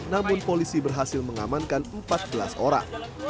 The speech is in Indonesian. namun polisi berhasil mengamankan empat belas orang